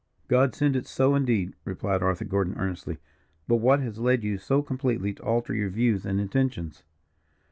"God send it so, indeed," replied Arthur Gordon, earnestly. "But what has led you so completely to alter your views and intentions?"